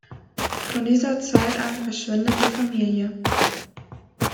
Von dieser Zeit an verschwindet die Familie.